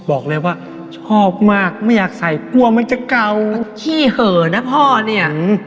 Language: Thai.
บอกเลยว่าชอบมากไม่อยากใส่กลัวมันจะเก่ามันขี้เหอะนะพ่อเนี่ย